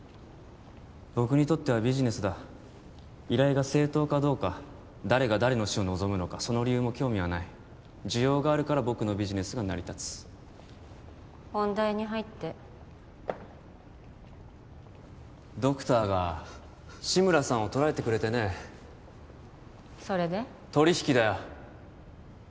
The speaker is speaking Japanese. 僕にとってはビジネスだ依頼が正当かどうか誰が誰の死を望むのかその理由も興味はない需要があるから僕のビジネスが成り立つ本題に入ってドクターが志村さんを捕らえてくれてねそれで？取り引きだよ